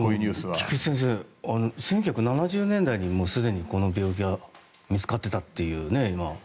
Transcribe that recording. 菊地先生、１９７０年代にすでにこの病気が見つかっていたというね。